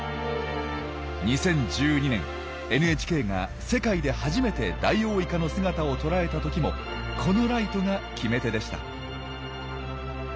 ２０１２年ＮＨＫが世界で初めてダイオウイカの姿を捉えた時もこのライトが決め手でした。